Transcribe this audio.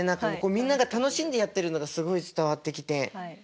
みんなが楽しんでやってるのがすごい伝わってきて。